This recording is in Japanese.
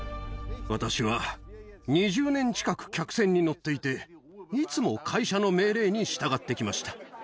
私は２０年近く客船に乗っていて、いつも会社の命令に従ってきました。